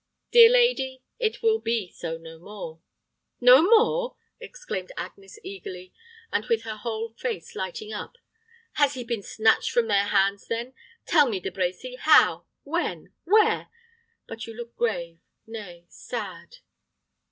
Dear lady, it will be so no more!" "No more!" exclaimed Agnes, eagerly, and with her whole face lighting up. "Has he been snatched from their hands, then? Tell me, De Brecy, how? when? where? But you look grave, nay, sad.